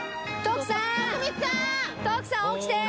徳光さん！